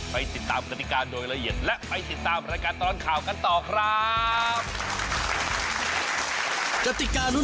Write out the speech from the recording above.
ไปติดตามกติกาโดยละเอียด